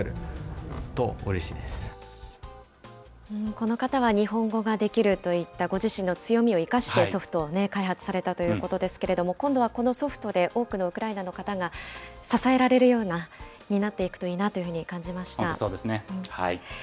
この方は日本語ができるといった、ご自身の強みを生かしてソフトを開発されたということですけれども、今度はこのソフトで多くのウクライナの方が、支えられるようになっていくといいなと思いました。